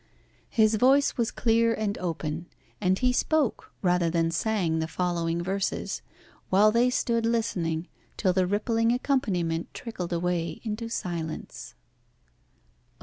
His voice was clear and open, and he spoke rather than sang the following verses, while they stood listening till the rippling accompaniment trickled away into silence: Oh!